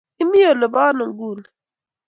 Imi ole po ano nguni?